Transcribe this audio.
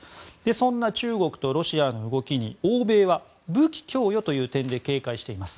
そんな中国とロシアの動きに欧米は武器供与という点で警戒しています。